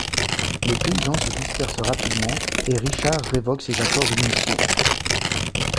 Les paysans se dispersent rapidement et Richard révoque ses accords initiaux.